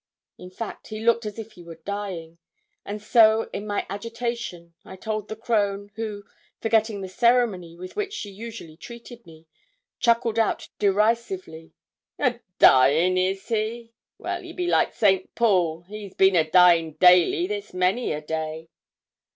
In fact, he looked as if he were dying, and so, in my agitation, I told the crone, who, forgetting the ceremony with which she usually treated me, chuckled out derisively, 'A dying is he? Well, he be like Saint Paul he's bin a dying daily this many a day.'